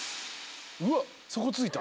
うわっ底ついた。